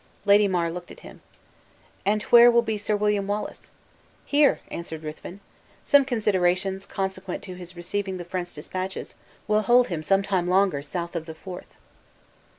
Lady Mar looked at him. "And where will be Sir William Wallace?" "Here," answered Ruthven. "Some considerations, consequent to his receiving the French dispatches, will hold him some time longer south of the Forth."